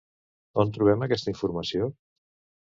On trobem aquesta informació?